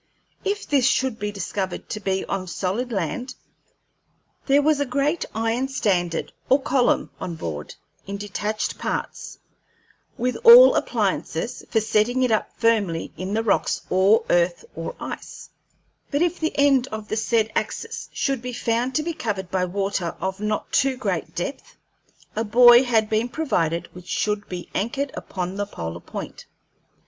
If this should be discovered to be on solid land, there was a great iron standard, or column, on board, in detached parts, with all appliances for setting it up firmly in the rocks or earth or ice; but if the end of the said axis should be found to be covered by water of not too great depth, a buoy had been provided which should be anchored upon the polar point.